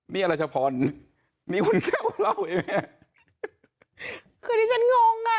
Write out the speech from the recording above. เมียรัชพรมีคุณแก้วเราไอ้แม่คือที่ฉันงงอ่ะ